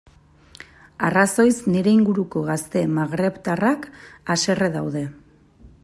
Arrazoiz, nire inguruko gazte magrebtarrak haserre daude.